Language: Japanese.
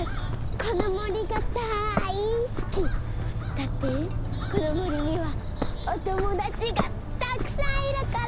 だってこのもりにはおともだちがたくさんいるから！